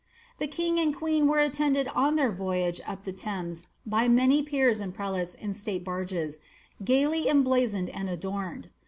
The king and queen were attended on their voyage up the Tliamet by many peers and prelates in state barges, gaily emblazoned and adorned.